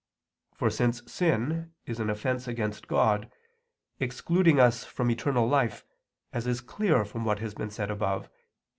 For since sin is an offense against God, excluding us from eternal life, as is clear from what has been said above (Q.